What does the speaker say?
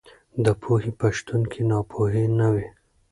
د پوهې په شتون کې ناپوهي نه وي.